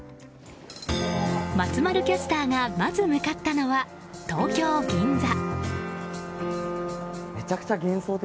松丸キャスターがまず向かったのは東京・銀座。